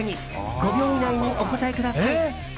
５秒以内にお答えください。